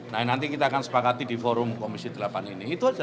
nah nanti kita akan sepakati di forum komisi delapan ini itu aja